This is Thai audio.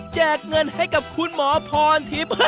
เงินให้กับคุณหมอพรทิพย์